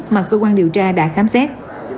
mà cơ quan điều tra đã khám xét